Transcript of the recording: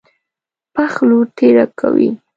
پښ لور تېره کوي.